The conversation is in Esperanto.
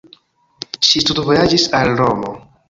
Ŝi studvojaĝis al Romo.